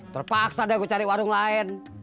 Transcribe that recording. terpaksa deh gue cari warung lain